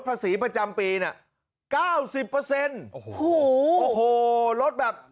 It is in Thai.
ภาษีประจำปีน่ะเก้าสิบเปอร์เซ็นต์โอ้โหโอ้โหลดแบบ